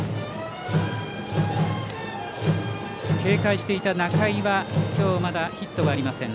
警戒していた仲井は今日、まだヒットはありません。